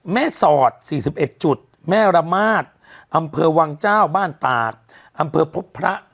สอด๔๑จุดแม่ระมาทอำเภอวังเจ้าบ้านตากอำเภอพบพระ